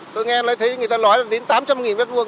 tôi nghe thấy người ta nói là đến tám trăm linh vết vuông